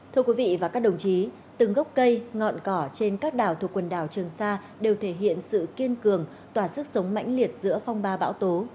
thưa quý vị và các đồng chí từng gốc cây ngọn cỏ trên các đảo thuộc quần đảo trường sa đều thể hiện sự kiên cường tỏa sức sống mãnh liệt giữa phong ba bão tố